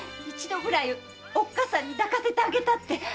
一度くらいおっかさんに抱かせてあげたって。